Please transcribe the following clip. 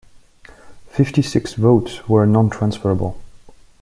Fifty-six votes were non-transferable.